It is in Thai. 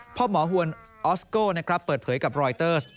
พ่อหมอฮวนออสโก้เปิดเผยกับรอยเตอร์